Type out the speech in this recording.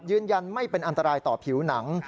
ยืนยันไม่เป็นอันตรายต่อผิวหนัง